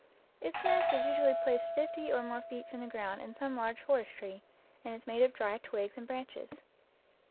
Its nest is usually placed fifty or more feet from the ground in some large forest tree, and is made of dry twigs and branches.